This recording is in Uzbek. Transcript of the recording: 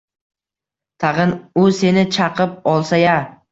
Tag‘in u seni chaqib olsa-ya?